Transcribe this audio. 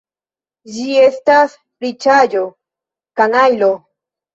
Ĝi estas riĉaĵo, kanajlo!